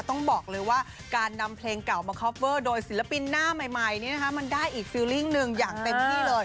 ต้องบอกเลยว่าการนำเพลงเก่ามาคอฟเวอร์โดยศิลปินหน้าใหม่นี้นะคะมันได้อีกฟิลลิ่งหนึ่งอย่างเต็มที่เลย